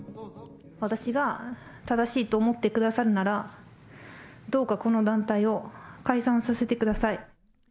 私が正しいと思ってくださるなら、どうかこの団体を解散させてください。